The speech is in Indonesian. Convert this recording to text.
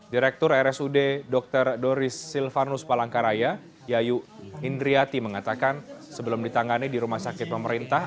direktur rsud dr doris silvanus palangkaraya yayu indriati mengatakan sebelum ditangani di rumah sakit pemerintah